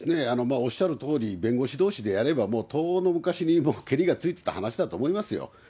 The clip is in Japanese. おっしゃるとおり、弁護士どうしでやればとうの昔にもう、けりがついてた話だと思いますよね。